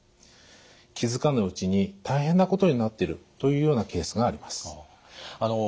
気付かぬうちに大変なことになってるというようなケースがあります。